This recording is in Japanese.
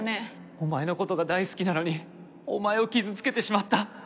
お前のことが大好きなのにお前を傷つけてしまった